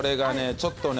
ちょっとね